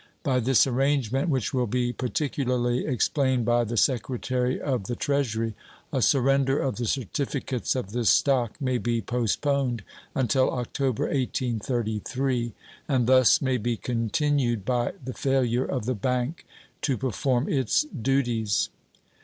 By this arrangement, which will be particularly explained by the Secretary of the Treasury, a surrender of the certificates of this stock may be postponed until October, 1833, and thus may be continued by the failure of the bank to perform its duties.